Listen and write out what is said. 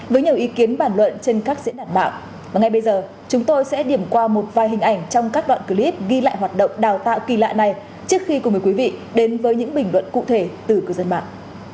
với nhiều ý kiến bản luận trên các diễn đàn mạng và ngay bây giờ chúng tôi sẽ điểm qua một vài hình ảnh trong các đoạn clip ghi lại hoạt động đào tạo kỳ lạ này trước khi cùng với quý vị đến với những bình luận cụ thể từ cư dân mạng